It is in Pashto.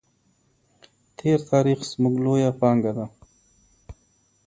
تېر تاریخ زموږ لویه پانګه ده.